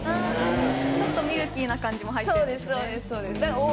ちょっとミルキーな感じも入ってるんですね